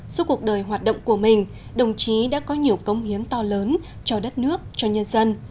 suốt cuộc đời hoạt động của mình đồng chí đã có nhiều công hiến to lớn cho đất nước cho nhân dân